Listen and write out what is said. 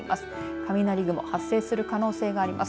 雷雲発生する可能性があります。